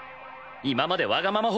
今までわがまま